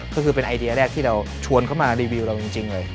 ก็คือเป็นไอเดียแรกที่เราชวนเขามารีวิวเราจริงเลย